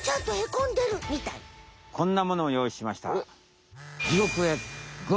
こんなものをよういしました。